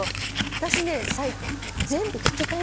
私ね全部拭きたいんですよ。